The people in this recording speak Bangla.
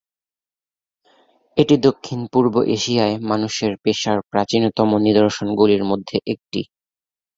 এটি দক্ষিণ-পূর্ব এশিয়ায় মানুষের পেশার প্রাচীনতম নিদর্শনগুলির মধ্যে একটি।